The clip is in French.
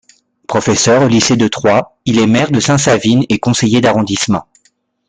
Professeur au lycée de Troyes, il est maire de Sainte-Savine et conseiller d'arrondissement.